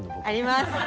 あります。